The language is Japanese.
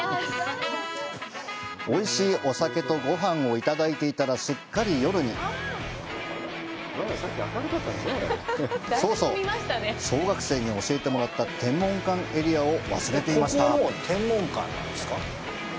おいしいお酒とごはんをいただいていたら、すっかり夜にそうそう、小学生に教えてもらった天文館エリアを忘れていました！